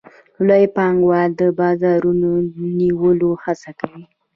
لوی پانګوال د بازارونو د نیولو هڅه کوي